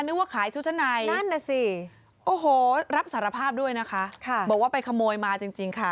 นึกว่าขายชุดชั้นไหนโอ้โฮรับสารภาพด้วยนะคะบอกว่าไปขโมยมาจริงค่ะ